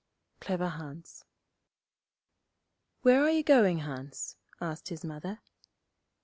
Clever Hans 'Where are you going, Hans?' asked his Mother.